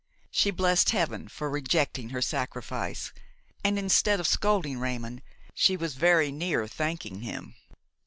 She blessed heaven for rejecting her sacrifice, and, instead of scolding Raymon, she was very near thanking him